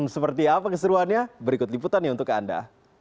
seperti apa keseruannya berikut liputannya untuk anda